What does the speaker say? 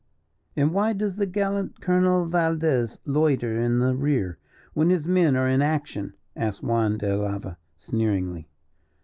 "And why does the gallant Colonel Valdez loiter in the rear, when his men are in action?" asked Juan de Alava, sneeringly.